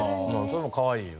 それもかわいいよね。